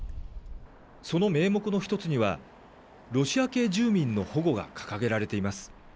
その名目の１つには、ロシア系住民の保護が掲げられています。